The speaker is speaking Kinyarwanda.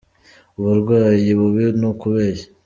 Uburwayi bubi nukubeshya.